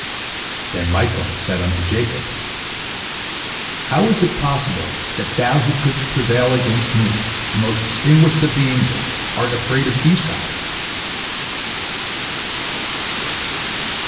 Then Michael said unto Jacob, "How is it possible that thou who couldst prevail against me, the most distinguished of the angels, art afraid of Esau?"